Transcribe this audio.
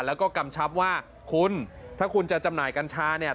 แล้วก็กำชับว่าคุณถ้าคุณจะจำหน่ายกัญชาเนี่ย